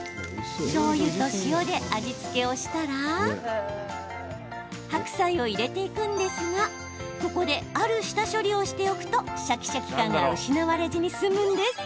しょうゆと塩で味付けをしたら白菜を入れていくんですがここである下処理をしておくとシャキシャキ感が失われずに済むんです。